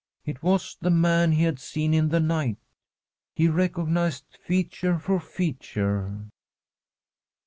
It was the man he had seen in the night. He recog^sed feature for feature.